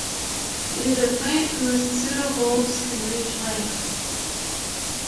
It is a plant whose pseudo-bulbs can reach lengths.